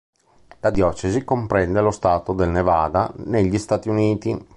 La diocesi comprende lo stato del Nevada, negli Stati Uniti.